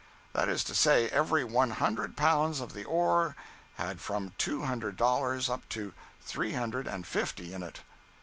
That is to say, every one hundred pounds of the ore had from two hundred dollars up to about three hundred and fifty in it.